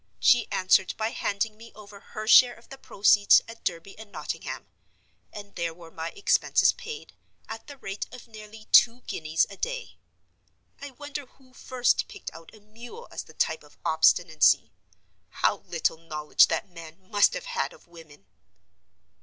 She answered by handing me over her share of the proceeds at Derby and Nottingham—and there were my expenses paid, at the rate of nearly two guineas a day. I wonder who first picked out a mule as the type of obstinacy? How little knowledge that man must have had of women!